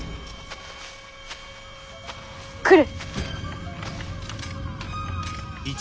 ・来る！